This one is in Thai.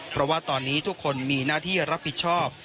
เพราะว่าตอนนี้ทุกคนมีหน้าที่รับผิดชอบ